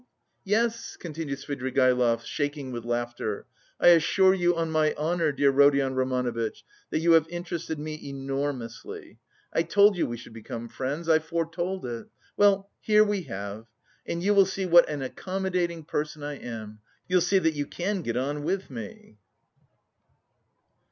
"Yes," continued Svidrigaïlov, shaking with laughter. "I assure you on my honour, dear Rodion Romanovitch, that you have interested me enormously. I told you we should become friends, I foretold it. Well, here we have. And you will see what an accommodating person I am. You'll see that you can get on with me!"